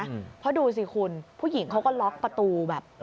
เพราะดูสิคุณผู้หญิงเขาก็ล็อกประตูแบบ